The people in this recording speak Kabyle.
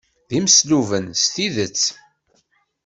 D imesluben s tidet.